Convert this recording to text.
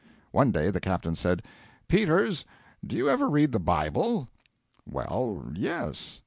One day the captain said, 'Peters, do you ever read the Bible?' 'Well yes.'